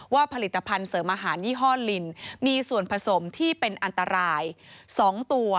ผลิตภัณฑ์เสริมอาหารยี่ห้อลินมีส่วนผสมที่เป็นอันตราย๒ตัว